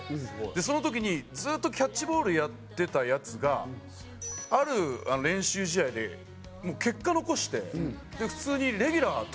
その時にずっとキャッチボールやってたヤツがある練習試合で結果残して普通に。